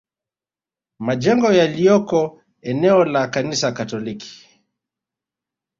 Majengo yaliyoko eneo la Kanisa Katoliki